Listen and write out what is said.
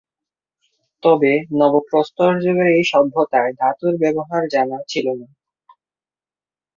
তবে নব্যপ্রস্তর যুগের এই সভ্যতায় ধাতুর ব্যবহার জানা ছিল না।